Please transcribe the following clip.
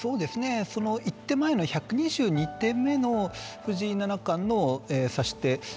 １手前の１２２手目の藤井七冠の指し手。